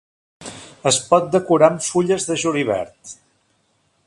Es pot decorar amb fulles de julivert.